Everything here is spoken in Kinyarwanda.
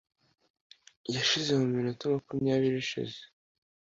yashize muminota makumyabiri ishize